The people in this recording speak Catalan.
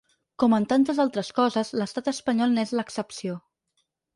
Com en tantes altres coses, l’estat espanyol n’és l’excepció.